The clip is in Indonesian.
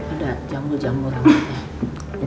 ada jambul jambul sama dia